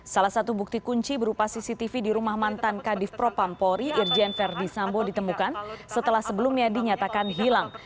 salah satu bukti kunci berupa cctv di rumah mantan kadif propampori irjen verdi sambo ditemukan setelah sebelumnya dinyatakan hilang